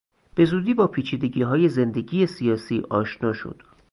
به زودی با پیچیدگیهای زندگی سیاسی آشنا شد.